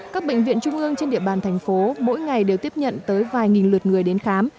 các bệnh viện trung ương trên địa bàn thành phố mỗi ngày đều tiếp nhận tới vài nghìn lượt người đến khám